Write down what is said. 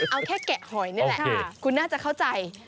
เอาแค่แกะหอยนี่แหละคุณน่าจะเข้าใจ